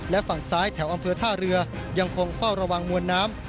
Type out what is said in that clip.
และฝั่งซ้ายแถวอำเภอท่าเรือยังคงเฝ้าระวังมวลน้ำ